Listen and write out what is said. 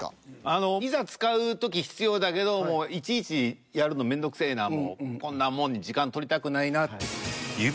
あのいざ使う時必要だけどいちいちやるのめんどくせぇなもうこんなもんに時間取りたくないなって。